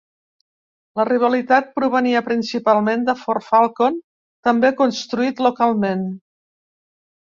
La rivalitat provenia principalment de Ford Falcon, també construït localment.